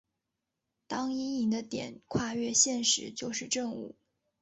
当阴影的点跨越线时就是正午。